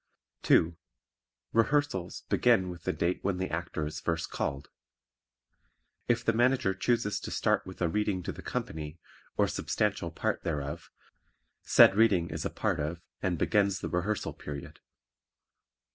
2. Rehearsals begin with the date when the Actor is first called. If the Manager chooses to start with a reading to the company, or substantial part thereof, said reading is a part of and begins the rehearsal period.